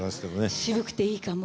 あ渋くていいかも。